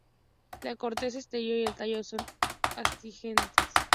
La corteza exterior y el tallo son astringentes.